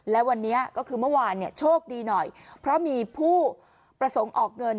และวันนี้ก็คือเมื่อวานเนี่ยโชคดีหน่อยเพราะมีผู้ประสงค์ออกเงิน